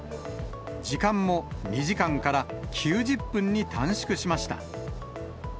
時間も、２時間から９０分に短縮しました。